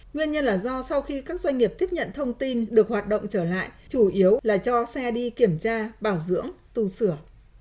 nguyên nhân là do sau khi các doanh nghiệp tiếp nhận thông tin được hoạt động trở lại chủ yếu là cho xe đi kiểm tra bảo dưỡng tu sửa